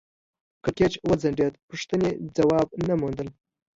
کړکېچ وغځېد پوښتنې ځواب نه موندل